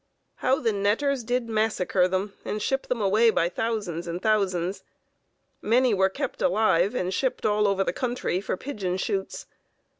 How the netters did massacre them and ship them away by thousands and thousands. Many were kept alive and shipped all over the country for pigeon shoots.